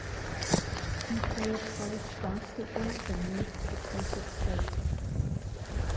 He played college basketball for North Dakota State.